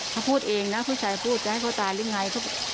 เขาพูดเองนะผู้ชายพูดจะให้เขาตายหรือไง